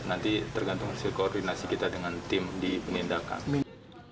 nanti tergantung hasil koordinasi kita dengan tim di penindakan